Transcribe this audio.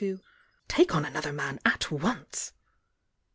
to "take on another m,m at once."